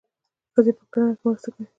ښځې په کرنه کې مرسته کوي.